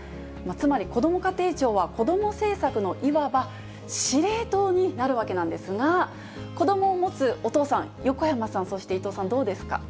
つまり、こども家庭庁は子ども政策のいわば司令塔になるわけなんですが、子どもを持つお父さん、横山さん、そして伊藤さん、どうですか？